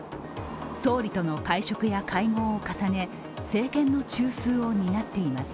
総理との会食や会合を重ね政権の中枢を担っています。